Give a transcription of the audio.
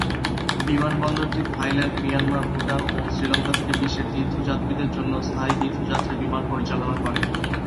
বিমানবন্দরটি Thailand, Myanmar, Bhutan ও শ্রীলঙ্কা থেকে বিশ্বের তীর্থযাত্রীদের জন্য স্থায়ী তীর্থযাত্রী বিমান পরিচালনা করে।